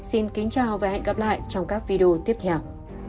xin kính chào và hẹn gặp lại trong các video tiếp theo